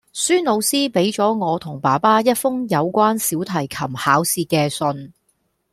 孫老師畀咗我同爸爸一封有關小提琴考試嘅信